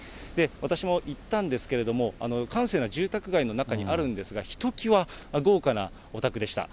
私も行ったんですけれども、閑静な住宅街の中にあるんですが、ひときわ豪華なお宅でした。